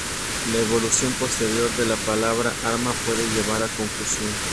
La evolución posterior de la palabra arma puede llevar a confusión.